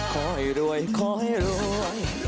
ขอให้รวยขอให้รวย